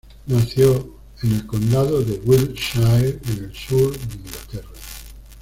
Nació en en el condado del Wiltshire en el sur de Inglaterra.